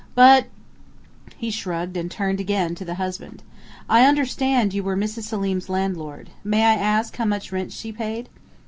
"But " He shrugged and turned again to the husband. "I understand you were Mrs. Selim's landlord.... May I ask how much rent she paid?"